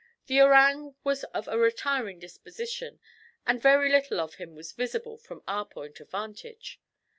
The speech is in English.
The orang was of a retiring disposition, and very little of him was visible from our point of vantage.